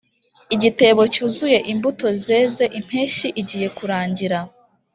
igitebo cyuzuye imbuto zeze impeshyi igiye kurangira.